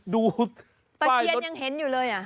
ดูป้ายรถตะเคียนยังเห็นอยู่เลยอ่ะ